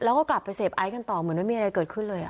แล้วก็กลับไปเสพไอซ์กันต่อเหมือนไม่มีอะไรเกิดขึ้นเลย